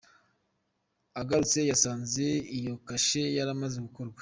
Agarutse yasanze iyo kashe yaramaze gukorwa.